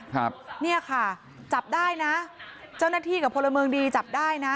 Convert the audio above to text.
ครับเนี่ยค่ะจับได้นะเจ้าหน้าที่กับพลเมืองดีจับได้นะ